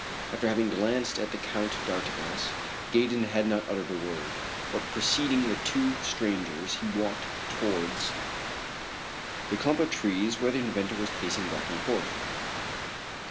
After having glanced at the Count d'Artigas, Gaydon had not uttered a word; but preceding the two strangers he walked towards the clump of trees where the inventor was pacing back and forth.